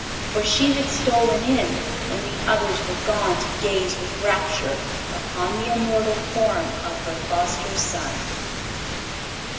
For she had stolen in when the others were gone to gaze with rapture upon the immortal form of her foster son.